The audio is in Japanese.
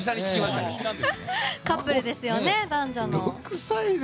カップルですよね、男女の。